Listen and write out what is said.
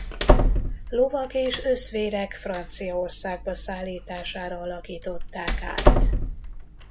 Lovak és öszvérek Franciaországba szállítására alakították át.